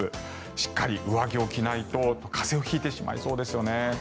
しっかり上着を着ないと、風邪を引いてしまいそうですよね。